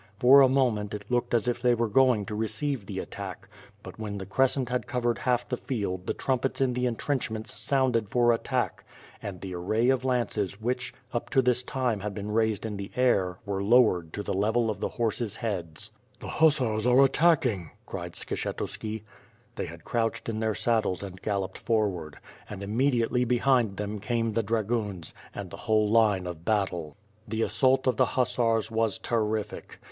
For a mo ment it k)oked as if they were going to receive the attack, but when the crescent had covered half the field the trumpets in the intrenchments sounded for attack — and the array of lances which, up to this time had been raised in the air were lowered to the level of the horses lieads. '*The hussars are attacking," cried Skshetuski. They had crouched in their saddles and galloped forward, and inmiediately behind them came the dragoons, and the whole line of battle. ^rhe assault of the hussars was terrific.